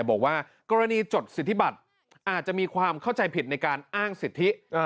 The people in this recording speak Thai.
บอกว่ากรณีจดสิทธิบัติอาจจะมีความเข้าใจผิดในการอ้างสิทธิ